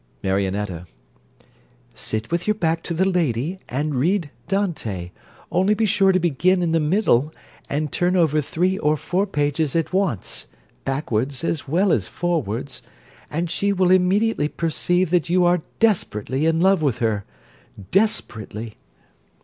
MARIONETTA Sit with your back to the lady and read Dante; only be sure to begin in the middle, and turn over three or four pages at once backwards as well as forwards, and she will immediately perceive that you are desperately in love with her desperately.